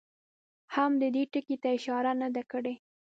هم دې ټکي ته اشاره نه ده کړې.